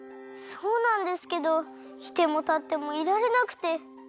そうなんですけどいてもたってもいられなくて。